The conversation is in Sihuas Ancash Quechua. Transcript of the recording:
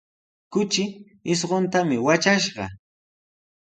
Kuchi isquntami watrashqa.